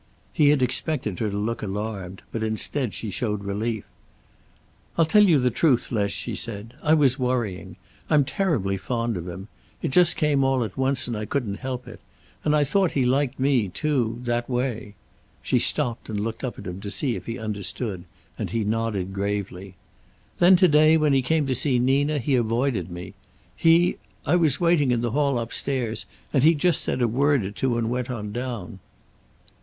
He had expected her to look alarmed, but instead she showed relief. "I'll tell you the truth, Les," she said. "I was worrying. I'm terribly fond of him. It just came all at once, and I couldn't help it. And I thought he liked me, too, that way." She stopped and looked up at him to see if he understood, and he nodded gravely. "Then to day, when he came to see Nina, he avoided me. He I was waiting in the hall upstairs, and he just said a word or two and went on down."